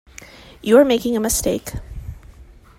You are making a mistake.